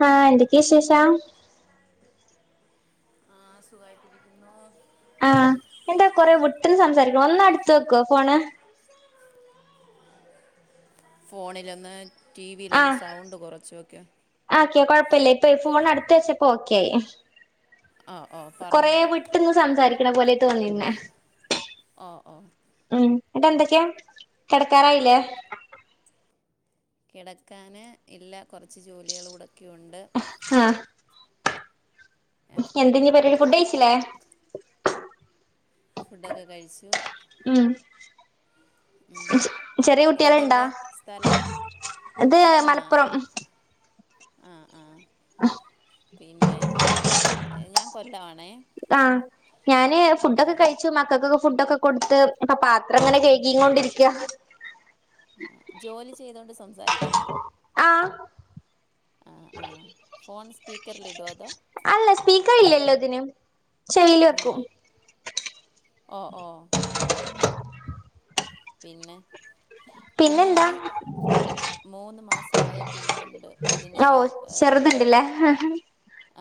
ഹാ എന്തൊക്കെ വിശേഷം ആ സുഖായിട്ടിരിക്കുന്നു ആഹ എന്താ കൊറേ വിട്ട്ന്ന് സംസാരിക്ക്ണ് ഒന്ന് അടുത്ത് വെക്കോ ഫോണ് ഫോണിലൊന്ന് ടിവിയിൽ ഒന്ന് സൗണ്ട് കുറച്ചോക്ക് ഓക്കേ കുഴപ്പ ഇല്ല ഇപ്പ ഫോൺ അടുത്ത് വെച്ചപ്പോ ഓക്കെയി ആ ഓ കൊറേ പറഞ്ഞോ വിട്ട്ന്ന് സംസാരി ക്ക്ണപോലെ വന്നിനെ ഓ ഓ ഉം എന്നട്ട് എന്തൊക്കെയാ കിടക്കാറായില്ലേ കിടക്കാന് ഇല്ല കൊറച്ച് ജോലികൾ കടക്ക ബാക്കിയുണ്ട് എന്തെ ഇനി പരുപാടി ഫുഡ് കഴിച്ചില്ലേ ഫുഡൊക്കെ കഴിച്ചു ഉം ചെറിയ ഏ, കുട്ടിയാലുണ്ടാ ഇതെവിടെ സ്ഥലം ഇത് മലപ്പുറം ആഹ ആഹ് [unintelligible] ആ പിന്നെ ഞാൻ കൊല്ലം ആണേ ആഹ് ഞാന് ഫുഡൊക്കെ കഴിച്ചു മക്കൾക്കൊക്കെ ഫുഡൊക്കെ കൊടുത്ത് അപ്പൊ പാത്രം അങ്ങനെ കഴകി കൊണ്ടിരിക്കുക ജോലി ചെയ്തോണ്ട് സംസാരിക്കുന്നോ ആഹ് ആ ആ ഫോൺ സ്പീക്കറൽ ഇടുവോ അതോ അതിനും ചെയില് വെക്കൂ ആ ഓ ഓ [inaudible] പിന്നെ കുഞ്ഞ പിന്നെന്താ മൂ [unintelligible] ഓ ചെറുതുണ്ടില്ലേ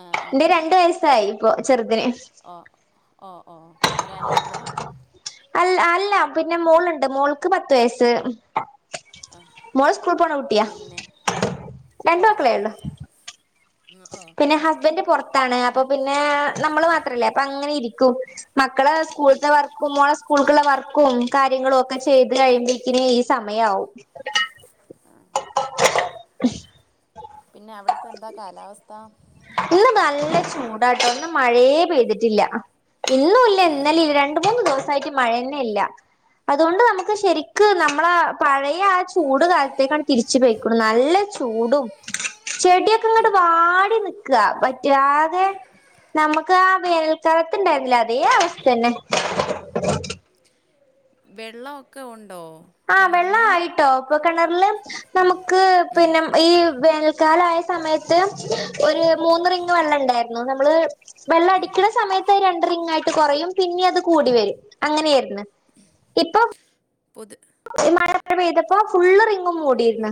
ആ ആ എന്റെറെ രണ്ടു വയസായി ഇ ചെറുതിന് ഓ ഓ ഓ ഒരാളേ ഉള്ളൂ അ അല്ല പിന്നെ മോൾുണ്ട് മോൾക്ക് പത്ത് വയസ് മോള് സ്കൂൾ പണ ഊട്ടയാ പിന്നെ രണ്ട ഓ ഓ മക്കളെ ഉള്ളു ഉം, ഓ പിന്നെ ഹസ്ബന്ഡറ് പുറത്താണ് അപ്പൊ പിന്നെ നമ്മള് മാത്രല്ലേ അപ്പൊ അങ്ങനെ ഇരിക്ക [inaudible] മക്കളെ സ്കൂളത്തെ വർക്കുമ മോളെ സ്ക്കുള്ള വർക്ക് കാര്യങ്ങളും ഒക്കെ ചെയ്ത് കഴിയുമ്പോക്കും ഈ സമയവും [inaudible] [inaudible] പിന്നെ അവിടെപ്പ എന്താ കാലാവസ്ഥ ഇന്ന് നല്ല ചൂടായിട്ട് ഒന്ന് മഴേ ചെയ്തിട്ടില്ല. ഇന്നുല്ല ഇന്നലില്ല രണ്ട് മൂന്ന് ദിവസായിട്ട് മഴന്നെ ഇല്ല അതുകൊണ്ട് നമുക്ക് ശരിക്ക് നമ്മളെ പഴയ ആ ചൂട് കാലത്തേക്കാണ് തിരിച്ചു പെയ്ക്ക്ണു നല്ല ചൂടും ചെടിയൊക്കെ ഇങ്ങട്ട് വാടി നി ക് വറ്റാതെ നമ്മുക്ക് ആഹ് വേനൽക്കാലത്ത്ണ്ടായിരുന്നില്ലോ അതേ അവസ്ഥന്നെ വെള്ളം ഒക്കെ ഉണ് ആഹ് വെള്ളായിട്ടോ ഇപ്പ കിണറില് നമുക്ക് പിന്നെ ഈ വേനൽക്കാലയ സമയത്ത് ഒരു മൂന്ന് റിങ്ങ് വെള്ളം ഇണ്ടായിരുന്നു നമ്മള് വെള്ളം അടിക്കണ സമയത്ത് രണ് റിംഗായിട്ട് കുറയും പിന്നിം അത് കൂടി വരും അങ്ങനെയായിരുന്നു ഇപ്പൊ പൊതു ഈ മഴ പെയ്തപ്പോ ഫുള്ള് റിങ്ങ് മൂടിയിന്ന്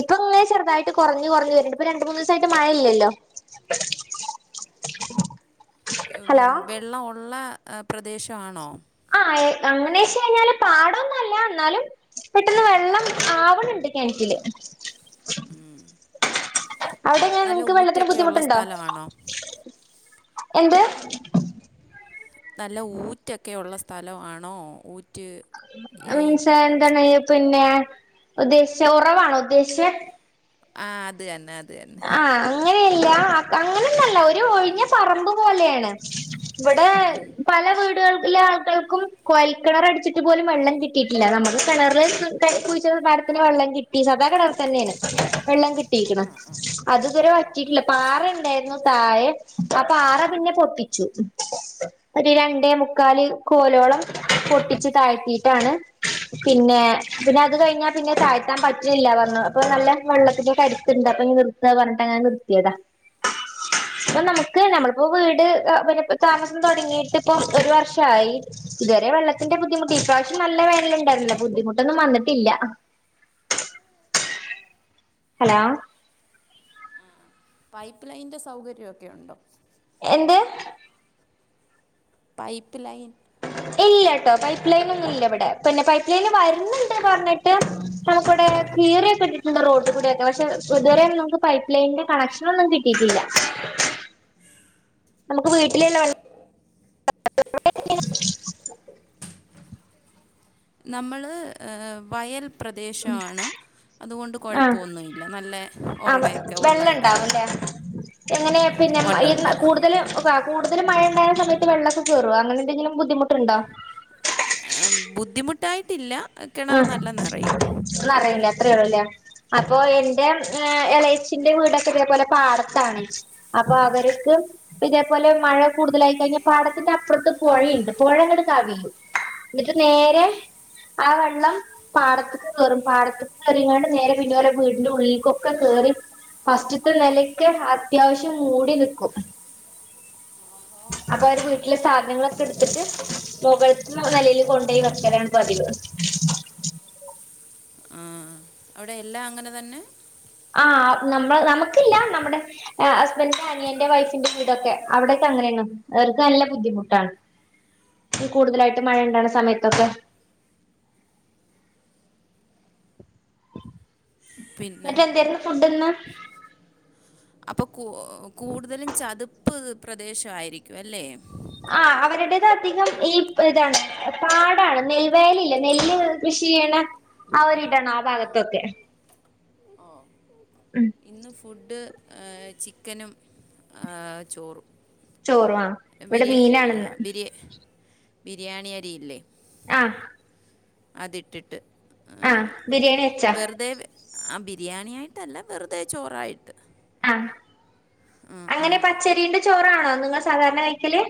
ഇപ്പൊ ഇങ്ങനെ ചെറുതായിട്ട് കുറഞ്ഞു കൊറഞ്ഞ് വരണ്ട് ഇപ്പ രണ്ട് മൂന്ന് ദിവസായിട്ട് മഴ ഇല്ലല്ലോ ഉം ഹലോ വെള്ളം ഉള്ള പ്രദേശാണോ അങ്ങനെച്ച് കഴിഞ്ഞാല് പാടൊന്നും അല്ല എന്നാലും പെട്ടെന്ന് വെള്ളം ആവണിണ്ട് കെണറ്റില് ഉം അവിടെങ്ങനെ നിങ്ങക്ക് വെള്ളത്തിന് ബുദ്ധിമുട്ടുണ്ടോ സ്ഥലമാണോ എന്ത് നല്ല ഊറ്റൊക്കെ ഉള്ള സ്ഥലമാണോ ഊ മീൻസ് എന്താണ് പിന്നെ ഉദ്ദേശിച്ച ഉറവാണോ ഉദ്ദേശ ആ അത്ന്നെ അ ആ അ ങ്ങനെയല്ല അങ്ങനന്നല്ല ഒരു ഒഴിഞ്ഞ പറമ്പ് പോലെയാണ് ഇവിടെ പല വീട്ക എല്ല ആൾക്കൾക്കും കോയൽ കിണർ അടിച്ചിട്ട് പോലും വെള്ളം കിട്ടിയിട്ടില്ല നമക്ക് കിണർ കുഴിച്ച പാരത്തിന് വെള്ളം കിട്ടി സദാ കിണർ തന്നെയാണ് വെള്ളം കിട്ടി അത് ഇത്വരെവറ്റിട്ടില്ല പാറണ്ടാരുന്നു തായെ ആ പാറ പിന്നെ പൊട്ടിച്ചു ഒരു രണ്ടേ മുക്കാല് കോലോളം പൊട്ടിച്ചു താഴ്ത്തിട്ടാണ് പിന്നെ പിന്നെ അത് കഴിഞ്ഞാ പിന്നെ താഴ്ത്താൻ പറ്റ്ല്ല പറഞ്ഞു അപ്പൊ നല്ല വെള്ളത്തിന്റെ കരുതുണ്ട് നിർത്ത പറഞ്ഞിട്ട് അങ്ങെ നിർത്തിയതാ ഇപ്പൊ നമുക്ക് നമ്മ പ്പോ വീട് പിന്നെ താമസം തുടങ്ങിട്ട് ഇപ്പൊ ഒരു വർഷയി ഇതുവരെ വെള്ളത്തിന്റെ ബുദ്ധിമുട്ട് ഇപാശ്യം നല്ല വേനലുണ്ടായിരുന്നില്ല ബുദ്ധിമുട്ടൊന്നും വന്നിട്ടില്ല ഹലോ പൈപ്പ് ലൈന്റെ സൗകര്യോക്കെ ഒണ്ടോ എന്ത് പൈപ്പ് ലൈൻ ഇല്ലട്ടോ പൈപ്പ് ലൈനന്നും ഇല്ല ഇവിടെ പിന്നെ പൈപ്പ് ലൈൻ വരു ഇനുണ്ട് പറഞ്ഞിട്ട് നമുക്കിവിടെ കീറിയൊക്കെ ഇട്ടിട്ടുണ്ട് റോട്ട്കൂടൊക്കെ പക്ഷെ ഇതുവരെ നമുക്ക് പൈപ്പ് ലൈനിന്റെ കണക്ഷനൊന്നും കിട്ടിയിട്ടില്ല നമുക്ക് വീട്ടിലുള്ള വെള്ളം [inaudible] നമ്മള് വയൽ പ്രദേശമാണ് അതുകൊണ്ട് ആ കുഴപ്പമൊന്നുമില്ല നല്ല ആ ഉറവയൊക്കെ ഉള്ള വെള്ള ഇടമാണ് ഉണ്ടാവുംല്ലേ എങ്ങനെ പിന്നെ ഈ ഉണ്ടുണ്ട് കൂടുതല് കൂടുതൽ മഴ ഉണ്ടായുന്ന സമയത്ത് വെള്ളൊക്കെ കേറോ അങ്ങനെന്തെങ്കിലും ബുദ്ധിമുട്ടുണ്ടോ ബുദ്ധിമുട്ടായിട്ടില്ല കിണർ ആഹ് നല്ല നിറയും നറയുലെ അത്രേ ഉള്ളൂല്ലേ അപ്പൊ എന്റെ എളേച്ചിന്റെ വീടൊക്കെ ഇതേപോലെ പാടത്താണ് അപ്പൊ അവർക്ക് ഇതേപോലെ മഴ കൂടുതലായി കഴിഞ്ഞ പാടത്തിന്റെ അപ്പുറത്ത് പൊഴയിണ്ട് പൊഴങ്ങട്ട് കവിയും എന്നിട്ട് നേരെ ആ വെള്ളം പാടത്ക്ക് കേറും പാടത്ക്ക് കേറിക്കാണ്ട് നേരെ പിന്നെ ഓലെ വീടിന്റെ ഉളളിക്കൊക്കെ കേറി ഫസ്റ്റ്ത്തെ നിലക്കെ അത്യാവശ്യം മൂടി നിക്കും അപ്പൊ അവര് വീട്ടിലെ സാധനങ്ങളൊക്കെ എടുത്തിട്ട് മുകൾത്തെ നെലയില് കൊണ്ടോയി വെക്കലാണ് പതിവ് അവിടെ എല്ലാം അങ്ങനെ തന്നെ ആഹ് നമ്മൾ നമുക്കില്ല നമ്മുടെ ഹസ്ബൻന്റിന്റെ അനിയന്റെ വൈഫിന്റെ വീടൊക്കെ അവിടെക്കെ അങ്ങന യാണ് അവർക്ക് നല്ല ബുദ്ധിമുട്ടാണ് കൂടുതലായിട്ട് മഴ ഉണ്ടണ സമയത്തൊക്കെ പിന്നെ എന്നിട്ട് എന്തേരുന്നു ഫുഡ് ഇന്ന് അപ്പൊ കൂ കൂടുതലും ചതുപ്പ് പ്രദേശായിരിക്കും അല്ലേ ആ അവരുടേത് അധികം ഈ ഇതാണ് പാടാണ് നെൽവയലില്ലേ നെല്ല് കൃഷി ചെയ്യണെ ആ ഒരിടാണ്. ആ ഭാഗത്തൊക്കെ. ഉം ഇന്ന് ഫുഡ് ചിക്കനും ആ ചോറും. ചോറു ആ ഇവിടെ ബിരിയ മീനാണിന്ന്. ബിരിയ ബിരിയാണി അരിയില്ലേ ആഹ് അതിട്ടിട്ട്. ആഹഹ് ബിരിയാണി വെച്ചാ ആഹ് ബിരിയാണിയായിട്ടല്ല. വെറുതെ ചോറായിട്ട്. ആഹ് അങ്ങനെ പച്ചരിണ്ട് ചോറാണോ നിങ്ങ സാധാരണ കഴിക്കല്.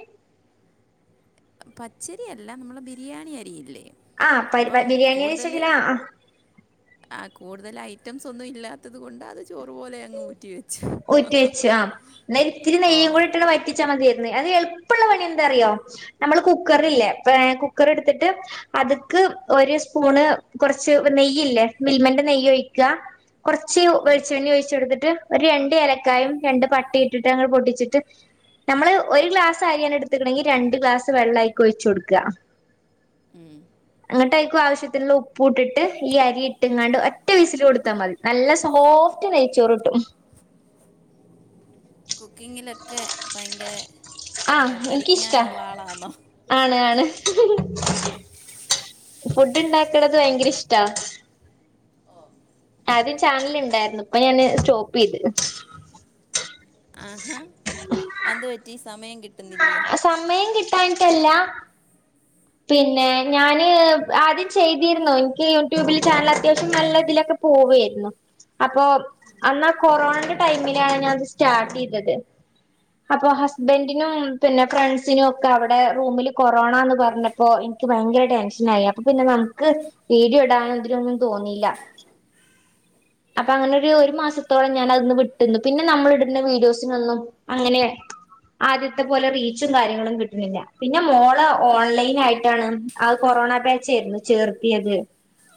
പച്ചരിയല്ല നമ്മള ബിരിയാണി അരിയില്ലേ ആ പരിബ അപ്പം ബിരിയാണി കൂടുതൽ വച്ചെങ്കില ആ ആ കൂടുതൽ ഐറ്റംസ് ഒന്നും ഇല്ലാത്തത് കൊണ്ട് അത് ചോറുപോലെ അങ്ങ് ഊറ്റി വെ ഊറ്റി വെച്ചു ആ എന്ന ഇത്തിരി ഓ നെയ്യും കൂടി ഇട്ടാണ് വറ്റിച്ചാ മതിയാ യി ണ് അത് എൾപ്പള്ള പണി എന്താ അറിയോ നമ്മള് കുക്കറ്ല്ലേ കുക്കർ എടുത്തിട്ട് അത്ക്ക് ഒരു സ്പൂണ് കുറച്ച് നെയ്യില്ലേ മിൽമന്റെ നെയ്യ് ഒഴിക്ക കൊർച്ച് വെളിച്ചെണ്ണ ഒഴിച്ചെടുത്തിട്ട് ട്ട് ഒരണ്ട് ഏലക്കായും രണ്ട് പട്ടേ ഇട്ടിട്ട് അങ്ങട്ട് പൊട്ടിച്ചിട്ട് നമ്മള് ഒരു ഗ്ലാസ് അരിയാണ് എടുത്ത്ക്ക്ണങ്കില് രണ്ട് ഗ്ലാസ് വെള്ള അയ്ക്ക് ഒഴിചൊട്ക്ക. ഉം ട്ടെക്കും ആവശ്യത്തിനുള്ള ഉപ്പുട്ടിട്ട് ഈ അരി ഇട്ടിങ്ങാണ്ട് ഒറ്റ വീസിൽ കൊടുത്താൽ മതി നല്ല സോഫ്റ്റ് നെയ്ച്ചോർ കിട്ടും. കുക്കിങ്ങിലൊക്കെ ഭയങ്കര ആ എനിക്കിഷ്ടാ പരിജ്ഞാനമുള്ള ആളാന്നോ? ആണ് ആണ് ഫുഡ് ഇണ്ടാക്കണത് ഭയങ്കര ഇഷ്ടാ. ആദ്യം ചാനല് ഇണ്ടായിരുന്നു ഇപ്പൊ ഞാന് സ്റ്റോപ്പ് ചെയ്ത് ആഹാ അതെന്ത് പറ്റി സമയം കി സമയം കിട്ടാഞ്ഞി ട്ടല്ലാ പിന്നെ ഞാന് ആദ്യം ചെയ്തിരുന്നു എനിക്ക് യൂട്യൂബില് ചാനൽ അത്യാവശ്യം നല്ല ഇതിലൊക്കെ പോവയായിരുന്നു അപ്പൊ അന്നാ കൊറോണന്റെ ടൈമിലാണ് ഞാനത് സ്റ്റാർട്ട് ചെയ്തത് അപ്പൊ ഹസ്ബൻഡിനും പിന്നെ ഫ്രണ്ട്സിനും ഒക്കെ അവിടെ റൂമില് കൊറോണ എന്ന് പറഞ്ഞ പ്പോ എനിക്ക് ഭയങ്കര ടെൻഷനായി അപ്പ പിന്നെ നമുക്ക് വീഡിയോ ഇടാനൊ ഇതിനൊന്നും തോന്നിയില്ല അപ്പൊ അങ്ങനെ ഒരു മാസത്തോളം ഞാൻ അതീന്ന് വിട്ടുനിന്നു പിന്നെ നമ്മൾ ഇടുന്ന വീഡിയോസിനൊന്നും അങ്ങനെ ആദ്യത്തെ പോലെ റീച്ചും കാര്യങ്ങളൊന്നും കിട്ടുന്നില്ല പിന്നെ മോള് ഓൺലൈൻ ആയി ട്ടാണ് കൊറോണ ബാച്ചായിരുന്നു ചേർത്തിയത്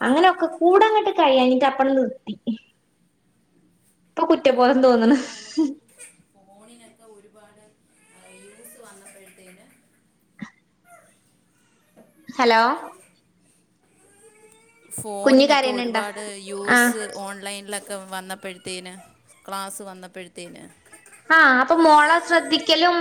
അങ്ങനൊക്കകൂടങ്ങട്ട് കഴിയാഞ്ഞിട്ട് അപ്പണ്ട് നിർത്തി ഇപ്പൊ അപ്പോൾ കുറ്റബോധം തോന്ന്ണ് ഫോണിനൊക്കെ നമുക്ക് ഫോണിനൊക്കെ ഒരുപാട് യൂസ് വന്നപ്പോഴത്തേന് ഹലോ കുഞ്ഞ് ഫോണിനൊക്കെ കരയണുണ്ടോ ഒരുപാട് ആഹ് യൂസ് ഓൺലൈനിലൊക്കെ [unintelligible] വന്നപ്പഴ്ത്തേന് ക്ലാസ് വന്നപ്പഴ്ത്തേന് ആഹ് അപ്പൊ മോള ശ്രദ്ധിക്കലും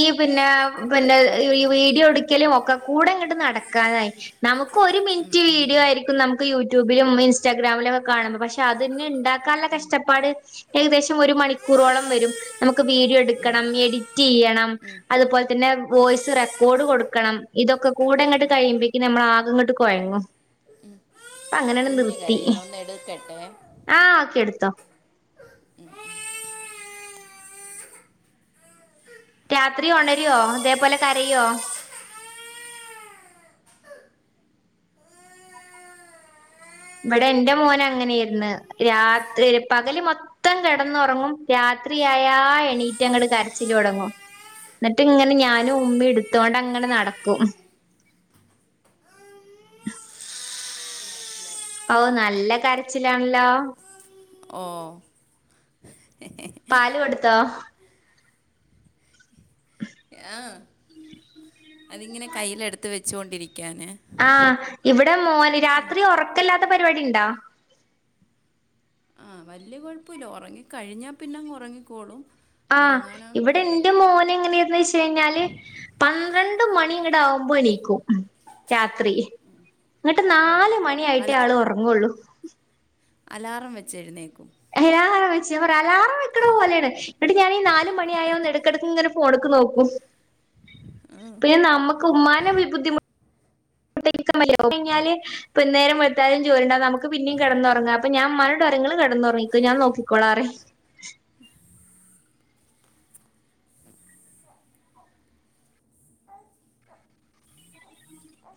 ഈ പിന്നെ പിന്നെ ഈ വീഡിയോ എടുക്കലും ഒക്കെ കൂടെ ഇങ്ങോട്ട് നടക്കാനായി നമുക്കൊരു ഉം, മിനിറ്റ് ഉം. വീഡിയോ ആയിരിക്കും നമുക്ക് യൂട്യൂബിലും ഇൻസ്റ്റാഗ്രാമിലും ഒക്കെ കാണുമ്പോ പക്ഷെ അതിനെ ഉണ്ടാക്കാനുള്ള കഷ്ടപ്പാട് ഏകദേശം ഒരു മണിക്കൂറോളം വരും നമുക്ക് വീഡിയോ ഉം. എടുക്കണം എഡിറ്റ് ചെയ്യണം ഉം. അതുപോലെ തന്നെ വോയ്സ് റെക്കോർഡ് കൊടുക്കണം ഇതൊക്കെ കൂടെ ഇങ്ങോട്ട് കഴിയുമ്പോഴക്കും നമ്മൾ ആകെ ഇങ്ങോട്ട് കുഴങ്ങും അങ്ങനങ്ങ് നിർത്തി എടുക്കട്ടുവെ ആഹ് ഓക്കെ എടുത്തോ രാത്രി ഒണരുവൊ ഇതേപോലെ കരയോ ഇവിടെ എന്റെ മോനങ്ങനേയിരിന്ന് രാത്രി പകല് മൊത്തം കെടന്നൊറങ്ങും രാത്രിയായാ എണീറ്റ് അങ്ങട്ട് കരച്ചില് തൊടങ്ങും എന്നിട്ട് ഇങ്ങനെ ഞാനും ഉമ്മെം എടുത്തോണ്ട് അങ്ങനെ നടക്കും ഓ നല്ല കരച്ചിലാണല്ലോ ഓ പാല് കൊടുത്തോ ആ അതിങ്ങനെ കയിൽ എടുത്ത് വെച്ചുകൊണ്ടിരി ക്കാന ആഹ് ഇവിടെ മോന് രാത്രി ഒറക്കല്ലാത്ത പരിപാടി ഇണ്ടോ ആ വലിയ കൊഴപ്പുല്ല ഉറങ്ങികഴിഞ്ഞാ പിന്നങ്ങ് ഉറങ്ങിക്കോളും ആഹ് ഉറങ്ങാനാണ് ഇവിടെ പാട് ന്റെ മോന് എങ്ങനേയിരുന്ന് വെ - ഴിനാല് പന്ത്രണ്ട് മണി ഇങ്ങടാവുമ്പോ എണീക്കും രാത്രി എന്നട്ട് ഓ നാല് മണിയായിട്ടേ അല ആള് ഉറങ്ങുള്ളൂ അലാറം വെച്ചെഴ്ന്നേക്കും എ ആഹ് വച്ച [unintelligible] അലാറം വക്കണ പോലെയാണ് ന്നട്ട് ഞാനീ നാല് മണിയായോന്ന് എടയ്ക്കെടയ്ക്കിങ്ങനെ ഫോണ്ക്ക് നോക്കും പിന്നെ നമ്മുക്കുമ്മാനെ ബുദ്ധിമുട്ടിക്കാൻ [unintelligible] കയിഞ്ഞാല് പ്പം നേരം വെളുത്താലും ജോലിണ്ടാവും നമുക്ക് പിന്നെം കെടന്നുറങ്ങാം അപ്പൊ ഞാൻ ഉമാനോട് പറയും ഇങ്ങള് കെടന്നുറങ്ങിക്കോ ഞാൻ നോക്കിക്കോളാറിയും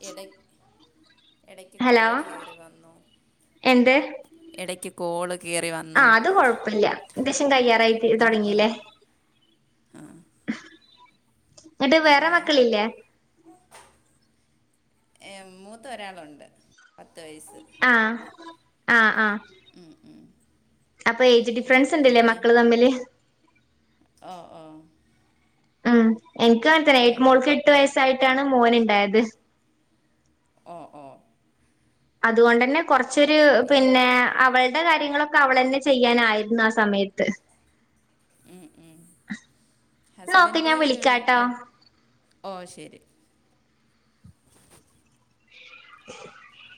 എടക് ക്ക് ഹലോ കോള് കേറി വന്നു എടക്ക് കോള് കയറി വന്നു ആഹ് അത് കൊഴപ്പില്ല ദേശം കയ്യാ ടെയ്റ്റ് തൊടങ്ങീലേ ന്നിട്ട് വേറെ പിന്നെ മക്കളില്ലേ ഏ, മൂത്ത ഒരാളുണ്ട് പത്ത് വയസ്സ് ആഹ് അ അ അപ്പൊ ഏജ് ഡിഫറൻസ്ണ്ട്ലേ പിന്നെ മക്കള് തമ്മില് ഓ ഓ അ എൻക്കു തന്നെ ഏ വേറെ മോൾക്ക് എട്ട് വേറെ വയസ്സായിട്ടാണ് മോന് ഇണ്ടായത് ഓ ഓ അതുകൊണ്ടന്നെ കൊറച്ചൊരൂ പിന്നെ പിന്നേ അവള്ടെ കാര്യങ്ങളൊക്കെ അവളന്നെ ചെയ്യാനായിരുന്നു ആ സമയത്ത് [inaudible] നോക്ക് ഹസ്ബൻഡ് ഞാൻ വിളിക്കാട്ടോ ഓ ശരി [inaudible]